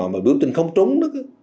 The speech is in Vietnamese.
mà biểu tình không trúng đó